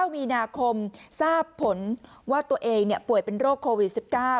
มีนาคมทราบผลว่าตัวเองป่วยเป็นโรคโควิด๑๙